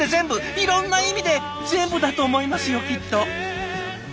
いろんな意味で全部だと思いますよきっと。